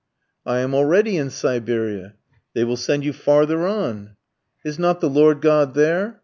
"I am already in Siberia." "They will send you farther on." "Is not the Lord God there?"